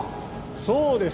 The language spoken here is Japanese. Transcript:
そうです。